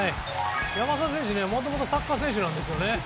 山沢選手はもともとサッカー選手なんですよね。